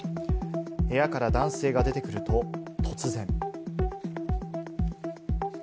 部屋から男性が出てくると突然。